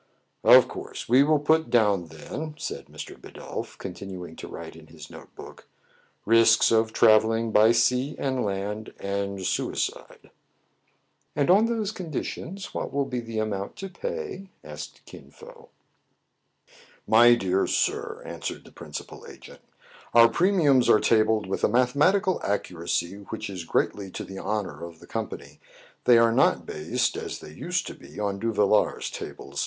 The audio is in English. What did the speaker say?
"Of course we will put down, then," said Mr. Bidulph, continuing to write in his note book, "risks of travelling by sea and land, and suicide." "And on those conditions what will be the amount to pay 1 " asked Kin Fo. "My dear sir," answered the principal agent, "our premiums are tabled with a mathematical accuracy which is greatly to the honor of the company. They are not based, as they used to be, on Duvillars' tables.